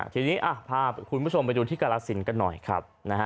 ทีนี้พาคุณผู้ชมไปดูที่กรสินกันหน่อยครับ